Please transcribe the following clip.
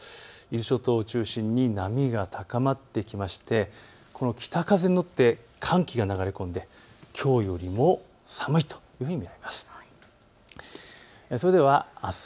伊豆諸島を中心に波が高まってきましてこの北風に乗って寒気が流れ込んできょうよりも寒いというふうに見られます。